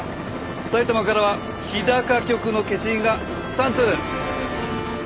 埼玉からは日高局の消印が３通。